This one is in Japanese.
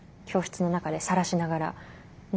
教室の中でさらしながら。